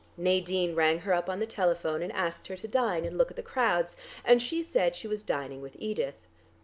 Nadine rang her up on the telephone and asked her to dine and look at the crowds, and she said she was dining with Edith.